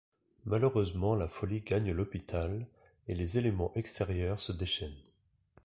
Malheureusement la folie gagne l'hôpital, et les éléments extérieurs se déchainent.